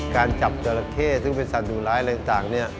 การจับเจาระเข้ซึ่งเป็นสัตว์ดูแลอะไรต่าง